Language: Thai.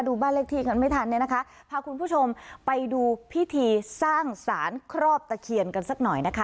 บ้านเลขที่กันไม่ทันเนี่ยนะคะพาคุณผู้ชมไปดูพิธีสร้างสารครอบตะเคียนกันสักหน่อยนะคะ